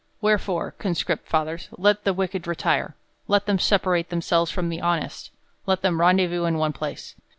Wherefore, con script fathers, let the wicked retire ; let them sepa rate themselves from the honest ; let them rendezvous in one place.